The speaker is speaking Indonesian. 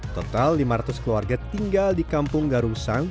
total lima ratus keluarga tinggal di kampung garusang